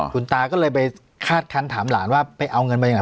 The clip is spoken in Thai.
คุณตาก็เลยไปคาดคันถามหลานว่าไปเอาเงินมาจากไหน